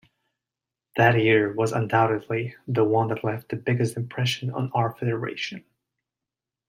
That year was undoubtedly the one that left the biggest impression on our federation.